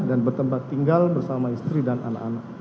dan bertempat tinggal bersama istri dan anak anak